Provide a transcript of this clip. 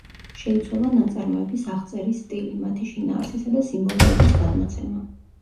შეიცვალა ნაწარმოების აღწერის სტილი, მათი შინაარსისა და სიმბოლოების გადმოცემა.